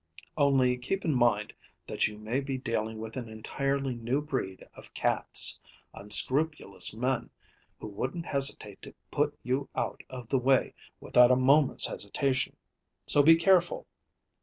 Only keep in mind that you may be dealing with an entirely new breed of cats, unscrupulous men who wouldn't hesitate to put you out of the way without a moment's hesitation. So be careful.